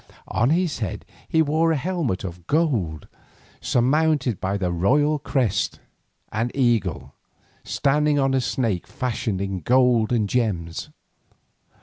On his head he wore a helmet of gold surmounted by the royal crest, an eagle, standing on a snake fashioned in gold and gems.